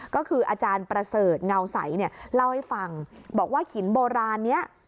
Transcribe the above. ก็คืออาจารย์ประเสริฐเงาใสเนี่ยเล่าให้ฟังบอกว่าหินโบราณนี้